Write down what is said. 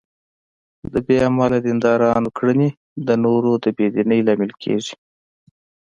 د بد عمله دیندارانو کړنې د نورو د بې دینۍ لامل کېږي.